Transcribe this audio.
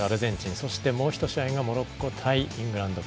そして、もう１試合がモロッコ対イングランド対